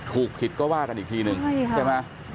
ถูกผิดก็ว่ากันอีกทีนึงใช่ไหม